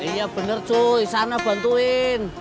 iya bener cuy sana bantuin